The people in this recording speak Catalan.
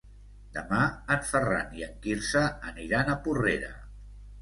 Demà en Ferran i en Quirze aniran a Porrera.